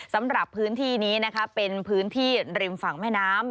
สำหรับพื้นที่นี้นะคะเป็นพื้นที่ริมฝั่งแม่น้ำ